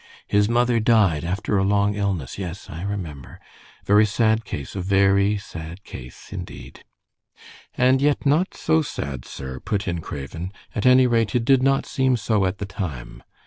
His mother died after a long illness. Yes, I remember. A very sad case, a very sad case, indeed." "And yet not so sad, sir," put in Craven. "At any rate, it did not seem so at the time.